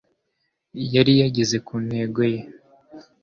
Yari yageze ku ntego ye